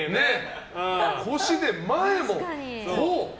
腰で、前もこう。